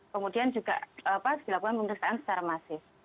kemudian juga dilakukan pemeriksaan secara masif